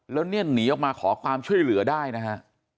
แล้วเนี่ยหนีออกมาขอความช่วยเหลือได้นะฮะ